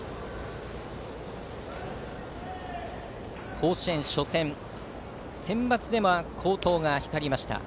甲子園初戦センバツでは好投が光りました